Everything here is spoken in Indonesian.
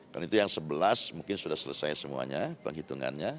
karena itu yang sebelas mungkin sudah selesai semuanya penghitungannya